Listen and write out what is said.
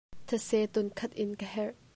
Thase tunkhat in ka herh.